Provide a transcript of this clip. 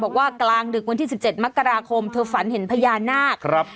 กลางดึกวันที่๑๗มกราคมเธอฝันเห็นพญานาค